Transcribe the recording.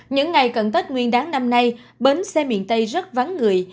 những ngày cận tết nguyên đáng năm nay bến xe miền tây rất vắng người